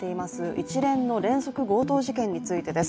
一連の連続強盗事件についてです。